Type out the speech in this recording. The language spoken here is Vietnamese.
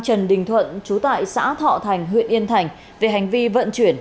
trần đình thuận trú tại xã thọ thành huyện yên thành về hành vi vận chuyển